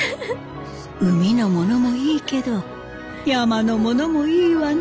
海のものもいいけど山のものもいいわね。